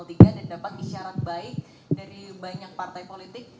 dan dapat isyarat baik dari banyak partai politik